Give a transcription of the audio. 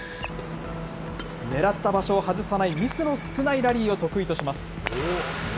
ねらった場所を外さないミスの少ないラリーを得意とします。